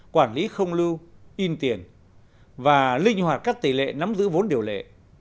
quản lý không lưu in tiền và linh hoạt các tỷ lệ nắm giữ vốn điều lệ